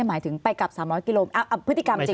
หมายถึงไปกลับ๓๐๐กิโลพฤติกรรมจริง